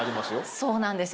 そうなんですよ